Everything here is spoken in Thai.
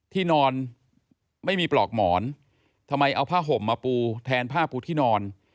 ที่นอนไม่มีปลอกหมอนทำไมเอาผ้าห่มมาปูแทนผ้าปูที่นอน